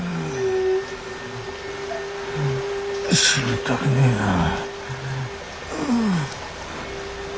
死にたくねぇなぁ。